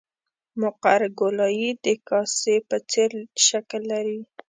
مقعر ګولایي د کاسې په څېر شکل لري